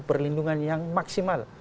perlindungan yang maksimal